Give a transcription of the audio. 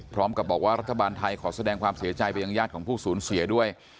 พร้อมกับบอกว่ารัฐบาลไทยขอแสดงความเสียใจไปยังญาติของผู้สูญเสียด้วย